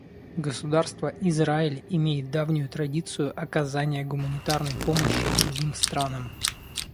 Государство Израиль имеет давнюю традицию оказания гуманитарной помощи другим странам.